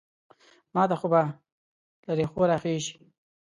ماته خوا به له رېښو راخېژي.